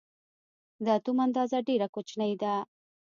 د اتوم اندازه ډېره کوچنۍ ده.